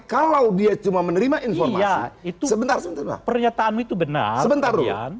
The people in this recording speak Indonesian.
kalau dia cuma menerima informasi itu sebentar sebentar pernyataanmu itu benar sebentar kan